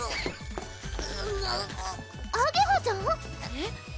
⁉えっ？